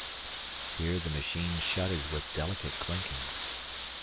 Here the machine shuddered with delicate clinkings.